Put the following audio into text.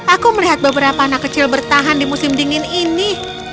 aku melihat beberapa anak kecil bertahan di musim dingin ini